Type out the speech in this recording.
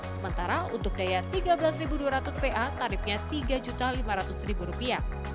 sementara untuk daya tiga belas dua ratus va tarifnya tiga lima ratus rupiah